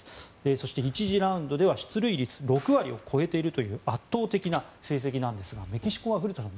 そして１次ラウンドでは出塁率を６割超えている圧倒的な成績なんですがメキシコは古田さん